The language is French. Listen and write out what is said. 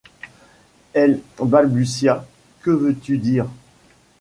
Elle balbutia :— Que veux-tu dire ?